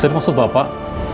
saya maksud bapak